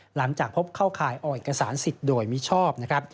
หลังจากพบเข้าข่ายออกเอกสารสิทธิ์โดยมิชอบนะครับ